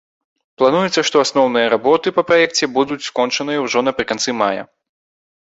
Плануецца, што асноўныя работы па праекце будуць скончаныя ўжо напрыканцы мая.